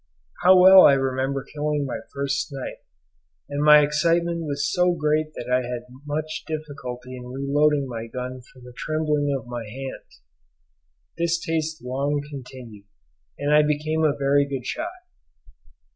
How well I remember killing my first snipe, and my excitement was so great that I had much difficulty in reloading my gun from the trembling of my hands. This taste long continued, and I became a very good shot.